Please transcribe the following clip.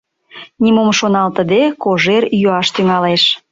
Нимом шоналтыде, Кожер йӱаш тӱҥалеш.